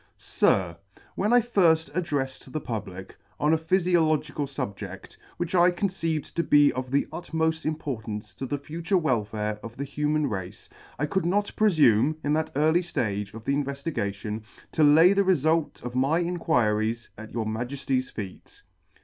SIR, WHEN I firft addreffed the Public on a Phyfiological fubje6f, which I con ceived to be of the utmoft importance to the future welfare of the human race, I could not prelume, in that early flage of the invefligation, to [ Vi ] to lay the refult of my Inquiries at your Maj city's feet.